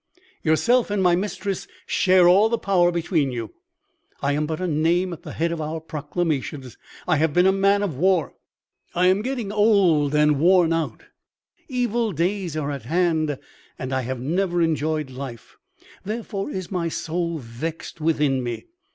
Yourself and my mistress share all the power between you; I am but a name at the head of our proclamations. I have been a man of war, I am setting old and worn out, evil days are at hand, and I have never enjoyed life; therefore is my soul vexed within me.